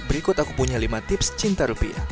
berikut aku punya lima tips cinta rupiah